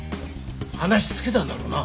話つけたんだろうな？